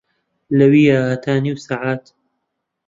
لەویا هەتا نیو سەعات